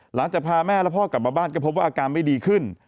หลังจากพาแม่และพ่อกลับมาบ้านก็พบว่าอาการไม่ดีขึ้น